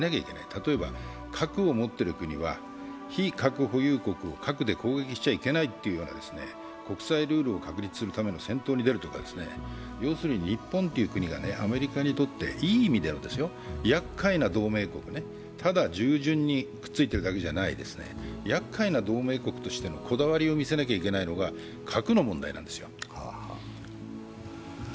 例えば核を持っている国は非核保有国を核で攻撃しちゃいけないっていうような国際ルールを確立するための先頭に出るとか、要するに日本という国がアメリカにとっていい意味でのやっかいな同盟国、ただ従順にくっついているだけじゃない、やっかいな同盟国のこだわりを見せなきゃいけないのが核の問題なんですよ。